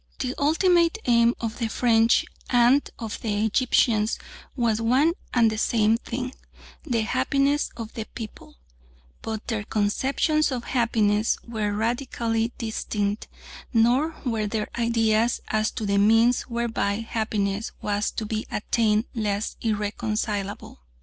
The ultimate aim of the French and of the Egyptians was one and the same thing the happiness of the people; but their conceptions of happiness were radically distinct, nor were their ideas as to the means whereby happiness was to be attained less irreconcilable.